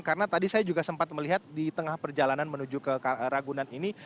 karena tadi saya juga sempat melihat di tengah perjalanan menuju ke ragunan ini